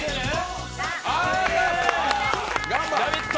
「ラヴィット！」